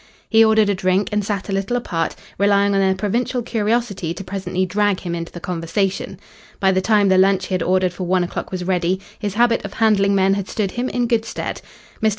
He ordered a drink and sat a little apart, relying on their provincial curiosity to presently drag him into the conversation. By the time the lunch he had ordered for one o'clock was ready, his habit of handling men had stood him in good stead. "Mr.